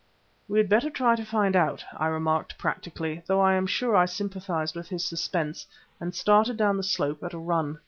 "We had better try to find out," I remarked practically, though I am sure I sympathised with his suspense, and started down the slope at a run.